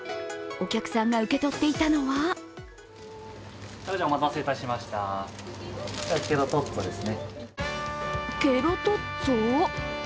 お客さんが受け取っていたのはケロトッツォ？